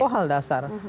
oh hal dasar